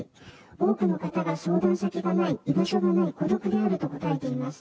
多くの方が相談先がない、居場所がない、孤独であると答えています。